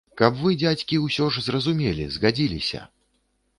Каб вы, дзядзькі, усё ж зразумелі, згадзіліся.